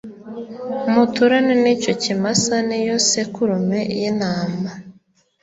Muturane n icyo kimasa n iyo sekurume y intama